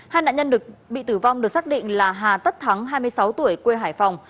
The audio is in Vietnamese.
hai nạn nhân bị tử vong được xác định là hà tất thắng hai mươi sáu tuổi quê hải phòng